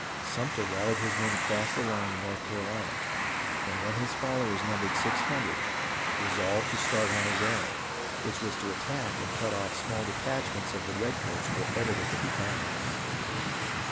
Sumter rallied his men across the line in North Carolina, and when his followers numbered six hundred, re solved to start on his errand, which was to attack and cut off small detachm.ents of the redcoats wherever they could be found.